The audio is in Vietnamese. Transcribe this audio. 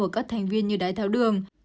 ở các thành viên như đái tháo đường